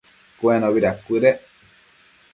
Cuenobi dacuëdec